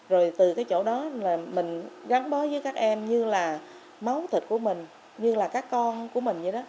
rồi từ cái chỗ đó là mình gắn bó với các em như là máu thịt của mình như là các con của mình vậy đó